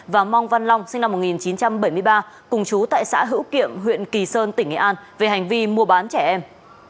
và mong văn long sinh năm một nghìn chín trăm bảy mươi ba cùng chú tại xã hữu kiệm huyện kỳ sơn tỉnh nghệ an về hành vi mua bán trẻ em